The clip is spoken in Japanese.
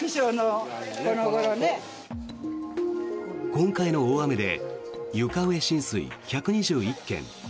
今回の大雨で床上浸水１２１件